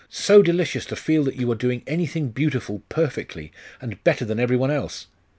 so delicious to feel that you are doing anything beautiful perfectly, and better than every one else!....